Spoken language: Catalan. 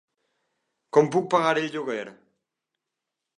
Com puc pagar el lloguer?